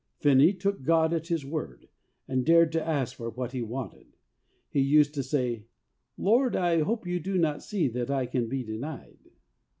Finney took God at His word, and dared to ask for what he wanted. He used to say, ' Lord, I hope you do not see that I can be denied.